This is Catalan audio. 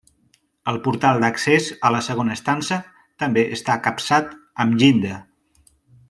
El portal d'accés a la segona estança també està capçat amb llinda.